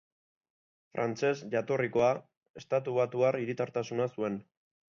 Frantses jatorrikoa, estatubatuar hiritartasuna zuen.